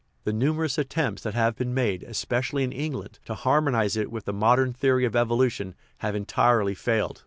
The numerous attempts that have been made, especially in England, to harmonize it with the modern theory of evolution have entirely failed.